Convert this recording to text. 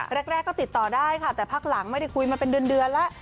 แรกก็ติดต่อได้ค่ะแต่พักหลังไม่ได้คุยมาเป็นเดือนแล้ว